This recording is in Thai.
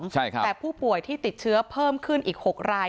แต่ผู้ป่วยที่ติดเชื้อเพิ่มขึ้นอีก๖ราย